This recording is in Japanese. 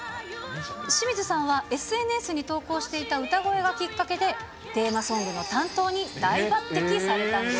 清水さんはＳＮＳに投稿していた歌声がきっかけで、テーマソングの担当に大抜てきされたんです。